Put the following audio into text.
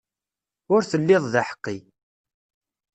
Ur telliḍ d aḥeqqi.